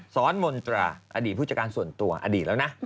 มนตราอดีตผู้จัดการส่วนตัวอดีตแล้วนะ